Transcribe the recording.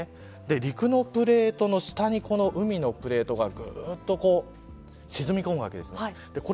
陸のプレートの下に海のプレートが沈み込むわけです。